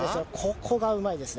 ここがうまいですね。